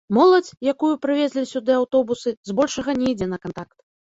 Моладзь, якую прывезлі сюды аўтобусы, збольшага не ідзе на кантакт.